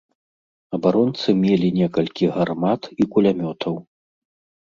Абаронцы мелі некалькі гармат і кулямётаў.